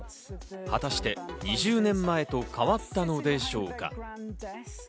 果たして２０年前と変わったのでしょうか？